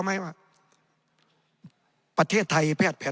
ในทางปฏิบัติมันไม่ได้